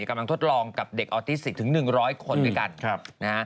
กำลังทดลองกับเด็กออทิสย์๑๐๑๐๐คนด้วยกัน